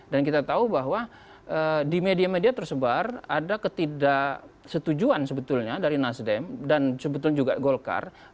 dan kita tahu bahwa di media media tersebar ada ketidaksetujuan sebetulnya dari nasdem dan sebetulnya juga golkar